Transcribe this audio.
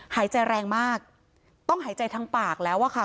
หายใจแรงมากต้องหายใจทางปากแล้วอะค่ะ